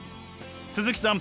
鈴木さん